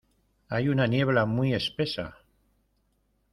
Hay una niebla muy espesa.